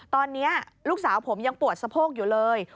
ตอนนี้ลูกสาวผมยังปวดสะโพกอยู่เลย